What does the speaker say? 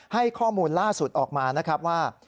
ให้ข้อมูลล่าสุดออกมานะครับว่า